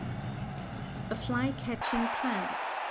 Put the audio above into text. A FLY CATCHING PLANT.